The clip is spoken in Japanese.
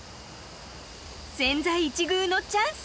［千載一遇のチャンス